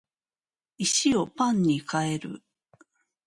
石をパンに変える